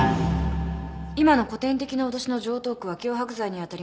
今の古典的な脅しの常套句は脅迫罪にあたります。